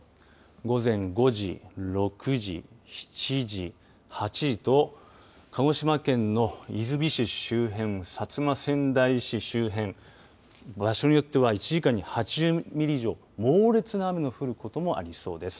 午前５時６時、７時８時と鹿児島県の出水市周辺、薩摩川内市周辺場所によっては１時間に８０ミリ以上猛烈な雨の降ることもありそうです。